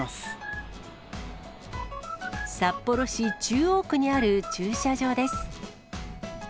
札幌市中央区にある駐車場です。